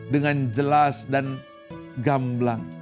dengan jelas dan gamblang